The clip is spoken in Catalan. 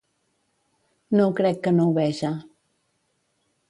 No ho crec que no ho veja.